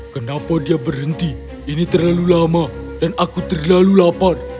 kenapa dia berhenti ini terlalu lama dan aku terlalu lapar